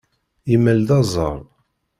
Yemmal-d aẓar.